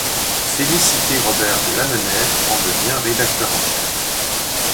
Félicité Robert de Lamennais en devient rédacteur en chef.